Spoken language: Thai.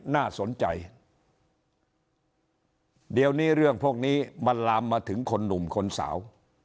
น่าสนใจเดี๋ยวนี้เรื่องพวกนี้มันลามมาถึงคนหนุ่มคนสาว